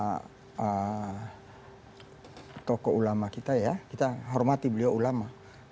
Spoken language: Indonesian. karena tokoh ulama kita ya kita hormati beliau ulama